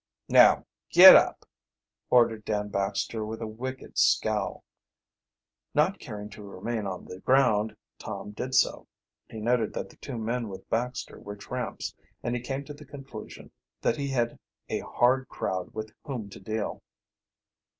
"Now get up," ordered Dan Baxter, with a wicked scowl. Not caring to remain on the ground, Tom did so. He noted that the two men with Baxter were tramps, and he came to the conclusion that he had a hard crowd with whom to deal.